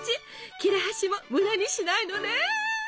切れ端も無駄にしないのね！